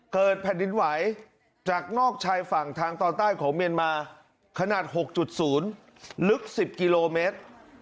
เกิดแผ่นดินไหวจากนอกชายฝั่งทางตอนใต้ของเมียนมาขนาด๖๐ลึก๑๐กิโลเมตร